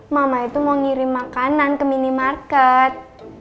mama itu mau ngirim makanan ke minimarket